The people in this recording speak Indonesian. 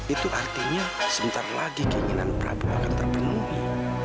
itu artinya sebentar lagi keinginan prabowo akan terpenuhi